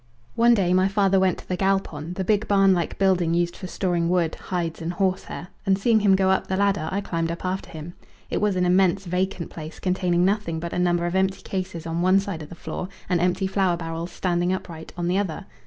One day my father went to the galpon, the big barn like building used for storing wood, hides, and horse hair, and seeing him go up the ladder I climbed up after him. It was an immense vacant place containing nothing but a number of empty cases on one side of the floor and empty flour barrels, standing upright, on the other.